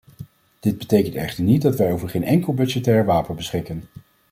Dit betekent echter niet dat wij over geen enkel budgettair wapen beschikken.